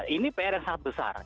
ini pr yang sangat besar